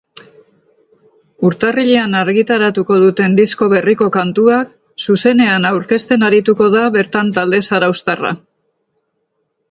Urtarrilean argitaratuko duten disko berriko kantuak zuzenean aurkezten arituko da bertan talde zarauztarra.